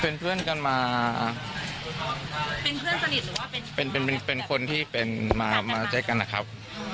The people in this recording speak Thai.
เป็นเพื่อนกันมาเป็นเพื่อนสนิทหรือว่าเป็นเป็นเป็นเป็นเป็นเป็นคนที่เป็นมามาเจอกันอ่ะครับ